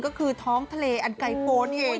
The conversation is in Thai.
ก็คือท้องทะเลอันไกลโฟนนี่เอง